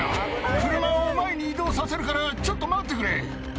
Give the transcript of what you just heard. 車を前に移動させるから、ちょっと待ってくれ。